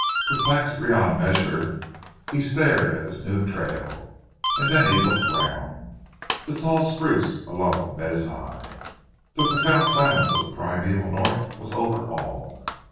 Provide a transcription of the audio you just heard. Perplexed beyond measure he stared at this new trail, then he looked round. The tall spruce alone met his eye. The profound silence of the primeval North was over all.